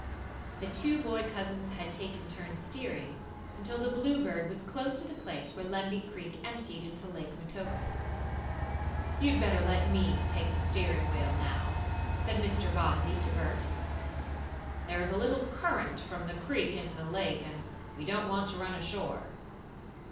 The two boy cousins had taken turns steering, until the Bluebird was close to the place where Lemby Creek emptied into Lake Metoka. "You'd better let me take the steering wheel, now," said Mr. Bobbsey to Bert. "There is a little current from the creek into the lake, and we don't want to run ashore."